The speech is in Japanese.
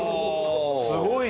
すごいね。